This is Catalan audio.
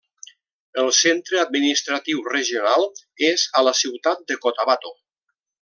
El centre administratiu regional és a la ciutat de Cotabato.